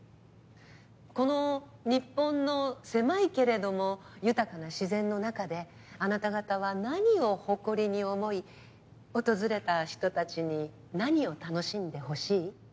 この日本の狭いけれども豊かな自然の中であなた方は何を誇りに思い訪れた人たちに何を楽しんでほしい？